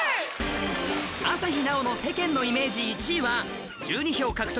朝日奈央の世間のイメージ